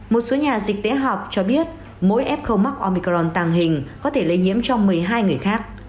một số nhà dịch tế học cho biết mỗi f câu mắc omicron tàng hình có thể lây nhiễm cho một mươi hai người khác